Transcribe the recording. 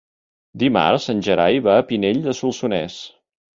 Dimarts en Gerai va a Pinell de Solsonès.